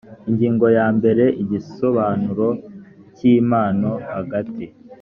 ingingo ya mbere igisobanuro cy impano hagati